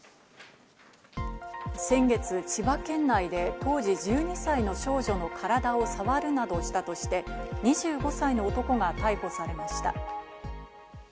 先月、千葉県内で当時１２歳の少女の体をさわるなどしたとして、２５歳の男が逮捕されました。